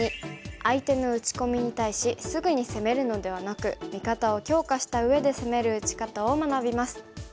相手の打ち込みに対しすぐに攻めるのではなく味方を強化したうえで攻める打ち方を学びます。